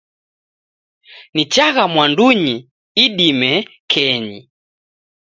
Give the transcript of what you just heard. Nichagha mwandunyi idime kenyi